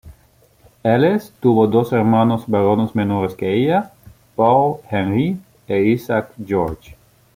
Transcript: Alice tuvo dos hermanos varones menores que ella, Paul Henri e Isaac Georges.